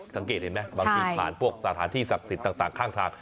สังเกตเห็นไหมบางทีผ่านพวกสถานที่ศักดิ์สิทธิ์ต่างข้างทาง